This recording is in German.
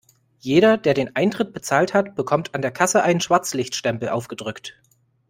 Jeder, der den Eintritt bezahlt hat, bekommt an der Kasse einen Schwarzlichtstempel aufgedrückt.